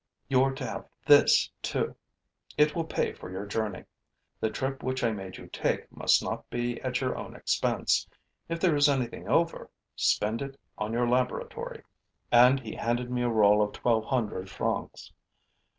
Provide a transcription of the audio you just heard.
You're to have this too: it will pay for your journey. The trip which I made you take must not be at your own expense. If there is anything over, spend it on your laboratory.' And he handed me a roll of twelve hundred francs.